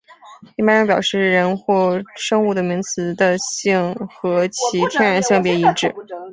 一般表示人或生物的名词的性和其天然性别一致。